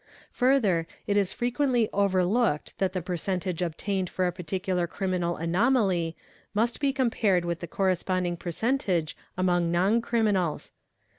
Further it is frequently overlooked that the percentage — obtained for a particular criminal anomaly must be compared with the corresponding percentage among non criminals.